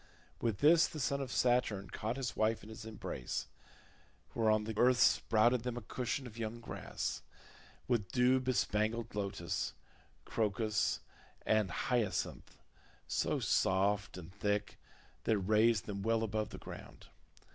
With this the son of Saturn caught his wife in his embrace; whereon the earth sprouted them a cushion of young grass, with dew bespangled lotus, crocus, and hyacinth, so soft and thick that it raised them well above the ground.